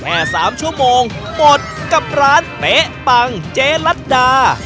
แค่๓ชั่วโมงหมดกับร้านเป๊ะปังเจ๊ลัดดา